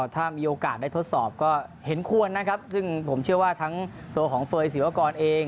ถ้ามีโอกาสได้ทดสอบก็เห็นควรนะครับซึ่งผมเชื่อว่าทั้งตัวของเฟย์ศิวากรเอง